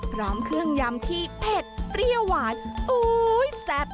พร้อมเครื่องยำที่เผ็ดเปรี้ยวหวานอุ๊ยแซ่บ